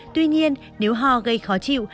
tuy nhiên nếu ho gây khó chịu